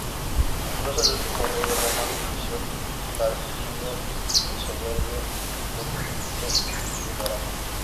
Incluso el último rey de Roma, Lucio Tarquinio el Soberbio, consultó el oráculo.